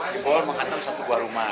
dibawah menghantam satu buah rumah